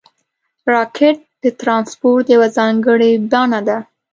راکټ د ترانسپورټ یوه ځانګړې بڼه ده